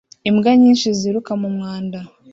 Imbwa nyinshi ziruka mu mwanda